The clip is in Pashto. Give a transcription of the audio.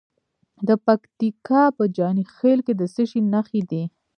د پکتیکا په جاني خیل کې د څه شي نښې دي؟